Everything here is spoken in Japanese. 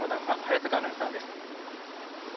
早坂アナウンサーです。